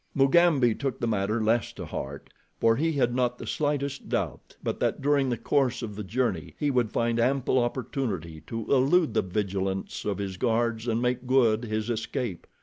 Mugambi took the matter less to heart, for he had not the slightest doubt but that during the course of the journey he would find ample opportunity to elude the vigilance of his guards and make good his escape.